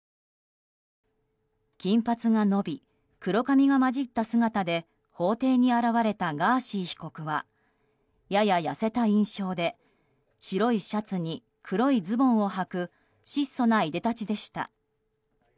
金髪が伸び、黒髪が交じった姿で法廷に現れたガーシー被告はやや痩せた印象で白いシャツに黒いズボンをはく質素ないでたちでした。